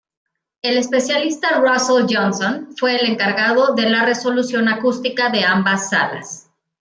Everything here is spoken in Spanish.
El especialista Russell Johnson fue el encargado de la resolución acústica de ambas salas.